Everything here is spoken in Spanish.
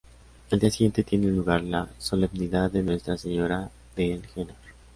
Al día siguiente tiene lugar la Solemnidad de Nuestra Señora de El Henar.